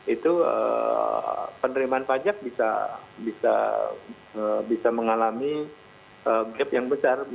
itu penerimaan pajak bisa mengalami gap yang besar